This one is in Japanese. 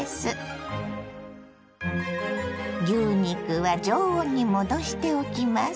牛肉は常温に戻しておきます。